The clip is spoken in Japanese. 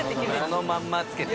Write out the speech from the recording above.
そのまんま着けてる。